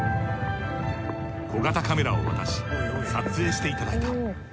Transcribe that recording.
小型カメラを渡し撮影していただいた。